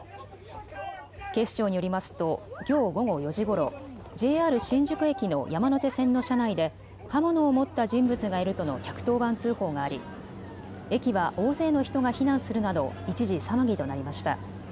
警視庁によりますときょう午後４時ごろ、ＪＲ新宿駅の山手線の車内で刃物を持った人物がいるとの１１０番通報があり駅は大勢の人が避難するなど一時騒ぎとなりました。